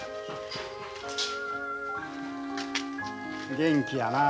元気やなあ